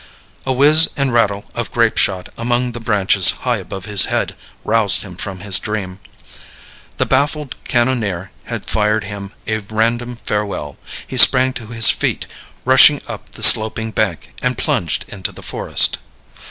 A whiz and rattle of grapeshot among the branches high above his head roused him from his dream. The baffled cannoneer had fired him a random farewell. He sprang to his feet, rushed up the sloping bank, and plunged into the forest.